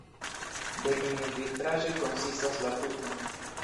Dek mil vitraĵoj konsistas la tuton.